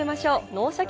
「脳シャキ！